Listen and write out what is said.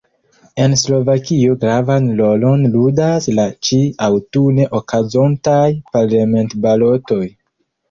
En Slovakio gravan rolon ludas la ĉi-aŭtune okazontaj parlamentbalotoj.